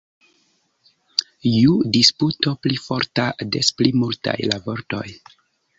Ju disputo pli forta, des pli multaj la vortoj.